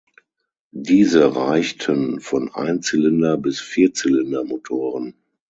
Diese reichten von Einzylinder- bis Vierzylindermotoren.